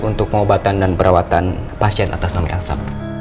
untuk pengobatan dan perawatan pasien atas nama asap